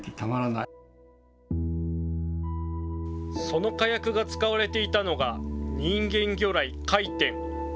その火薬が使われていたのが、人間魚雷、回天。